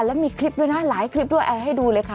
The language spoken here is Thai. แล้วมีคลิปด้วยนะหลายคลิปด้วยเอาให้ดูเลยค่ะ